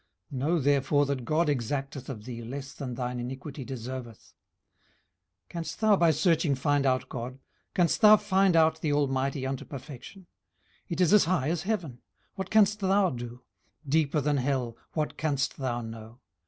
Know therefore that God exacteth of thee less than thine iniquity deserveth. 18:011:007 Canst thou by searching find out God? canst thou find out the Almighty unto perfection? 18:011:008 It is as high as heaven; what canst thou do? deeper than hell; what canst thou know?